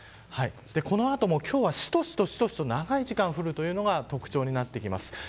この後も、今日はしとしとと長い時間降るのが特徴になってきます。